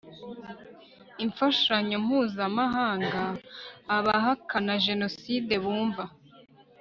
imfashanyo mpuzamahanga abahakana jenoside bumva